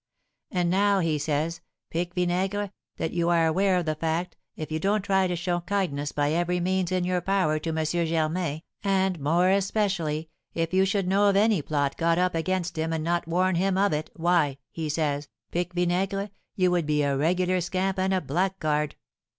'And now,' he says, 'Pique Vinaigre, that you are aware of the fact, if you don't try to show kindness by every means in your power to M. Germain, and more especially, if you should know of any plot got up against him and not warn him of it, why,' he says, 'Pique Vinaigre, you would be a regular scamp and a blackguard.'